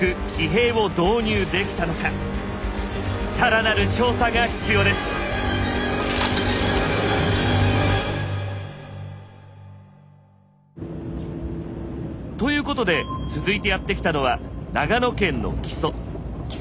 更なる調査が必要です。ということで続いてやって来たのは長野県の木曽。